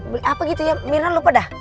beli apa gitu ya mirna lupa dah